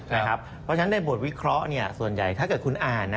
เพราะฉะนั้นในบทวิเคราะห์ส่วนใหญ่ถ้าเกิดคุณอ่านนะ